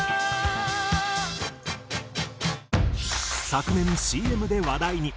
昨年ＣＭで話題に。